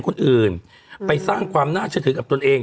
คนอื่นไปสร้างความน่าเชื่อถือกับตนเอง